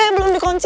eh belum dikunci